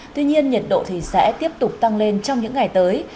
tuy nhiên nhiệt độ sẽ tiếp tục tăng lên trong những ngày tới